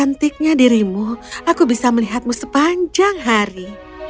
cantiknya dirimu aku bisa melihatmu sepanjang hari